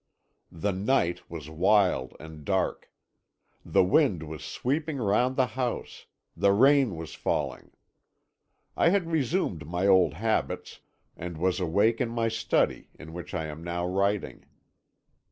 "The night was wild and dark. The wind was sweeping round the house; the rain was falling. I had resumed my old habits, and was awake in my study, in which I am now writing.